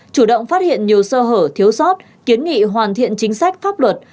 chủ động phát hiện nhiều sơ hở thiếu sót kiến nghị hoàn thiện chính sách pháp luật